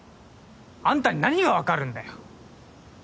あんたに何がわかるんだよ。